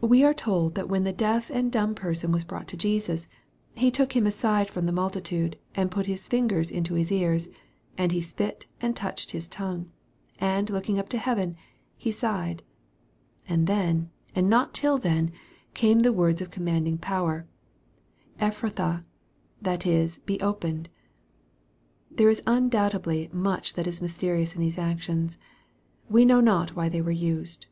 We are told that when the deaf and dumb persj'n was brought to Jesus, " He took him aside from the multitude, and put his fingers into his ears, and he spit and touched his tongue ; and looking up to heaven, he sighed" and then, and not till then, came the words of commanding power, " Ephphatha, that is, be opened." There is undoubtedly much that is mysterious in these actions. We know not why they were used.